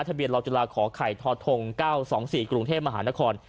ทะเบียนรอบจราขอไข่ทอดทง๙๒๔กรุงเทพมหานคร